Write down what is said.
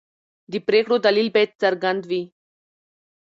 د پرېکړې دلیل باید څرګند وي.